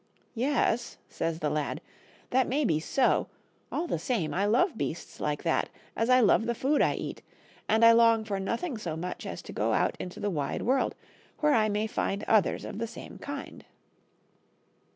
" Yes." says the lad, " that may be so, all the same I love beasts like that botontkriocr lo f^n^ b^^banh ):( 6 BEARSKIN. as I love the food I eat, and I long for nothing so much as to go out into the wide world, where I may find others of the same kind."